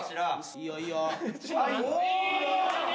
いいよいいよ。